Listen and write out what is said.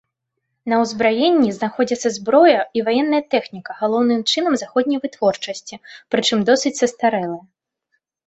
На ўзбраенні знаходзіцца зброя і ваенная тэхніка галоўным чынам заходняй вытворчасці, прычым досыць састарэлая.